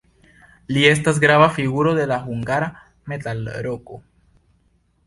Li estas grava figuro de la hungara metalroko.